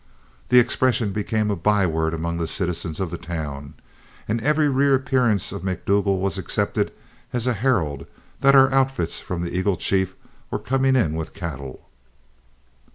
The expression became a byword among the citizens of the town, and every reappearance of McDougle was accepted as a herald that our outfits from the Eagle Chief were coming in with cattle.